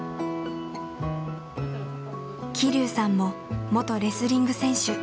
希龍さんも元レスリング選手。